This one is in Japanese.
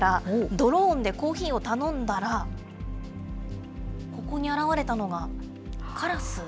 ドローンでコーヒーを頼んだら、ここに現れたのがカラス。